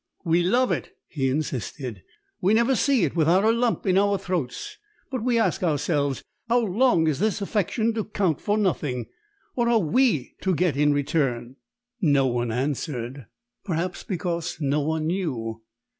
"We love it," he insisted. "We never see it without a lump in our throats. But we ask ourselves, How long is this affection to count for nothing? What are we to get in return?" No one answered, perhaps because no one knew.